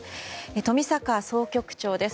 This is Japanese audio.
冨坂総局長です。